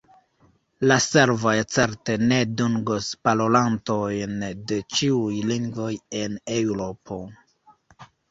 La servoj certe ne dungos parolantojn de ĉiuj lingvoj en Eŭropo.